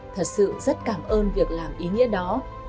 thật sự rất cảm ơn việc làm ý nghĩa đó